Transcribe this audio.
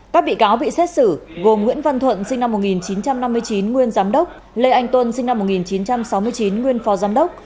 các bị cáo bị xét xử gồm nguyễn văn thuận sinh năm một nghìn chín trăm năm mươi chín nguyên giám đốc lê anh tuấn sinh năm một nghìn chín trăm sáu mươi chín nguyên phó giám đốc